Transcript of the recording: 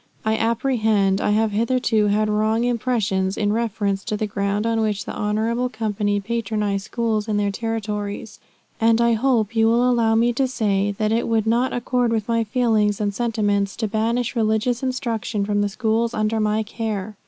I apprehend I have hitherto had wrong impressions in reference to the ground on which the Honorable Company patronize schools in their territories; and I hope you will allow me to say, that it would not accord with my feelings and sentiments, to banish religious instruction from the schools under my care.